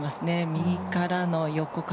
右からの横風。